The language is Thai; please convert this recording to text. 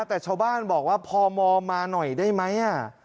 แต่ชาวบ้านบอกว่าพมมาหน่อยได้ไหม